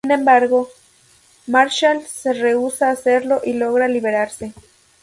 Sin embargo, Marshall se rehúsa a hacerlo y logra liberarse.